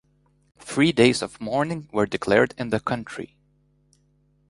Three days of mourning were declared in the country.